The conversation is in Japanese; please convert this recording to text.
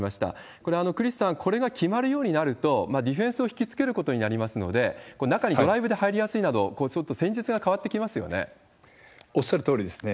これ、クリスさん、これが決まるようになると、ディフェンスを引きつけることになりますので、これ、中にドライブで入りやすいなど、ちょっと戦術が変わってきますよおっしゃるとおりですね。